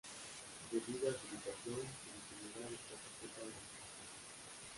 Debido a su ubicación, su visibilidad está sujeta a la libración.